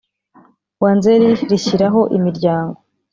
wa Nzeri Rishyiraho Imiryango